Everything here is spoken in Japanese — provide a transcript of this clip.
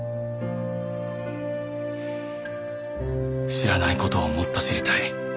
知らないことをもっと知りたい。